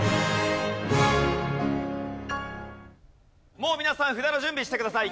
もう皆さん札の準備してください。